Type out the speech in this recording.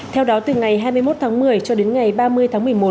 theo đó từ ngày hai mươi một tháng một mươi cho đến ngày ba mươi tháng một mươi một